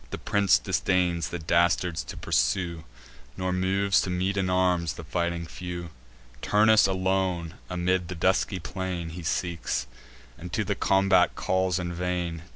The prince disdains the dastards to pursue, Nor moves to meet in arms the fighting few; Turnus alone, amid the dusky plain, He seeks, and to the combat calls in vain.